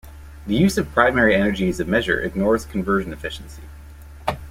The use of primary energy as a measure ignores conversion efficiency.